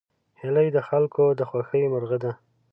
هیلۍ د خلکو د خوښې مرغه ده